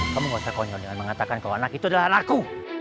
kamu gak usah konyol dengan mengatakan kalau anak itu adalah anakku